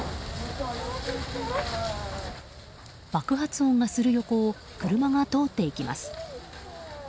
爆発音がする横を車が通っていきます。